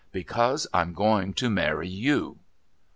"Because I'm going to marry you."